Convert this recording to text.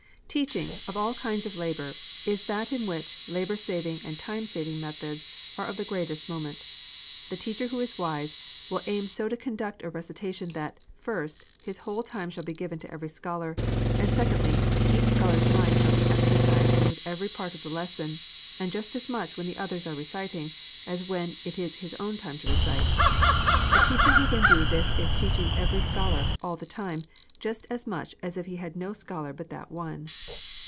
Teaching, of all kinds of labor, is that in which labor saving and time saving methods are of the greatest moment. The teacher who is wise, will aim so to conduct a recitation that, first, his whole time shall be given to every scholar; and secondly, each scholar's mind shall be exercised with every part of the lesson, and just as much when others are reciting, as when it is his own time to recite. A teacher who can do this is teaching every scholar, all the time, just as much as if he had no scholar but that one.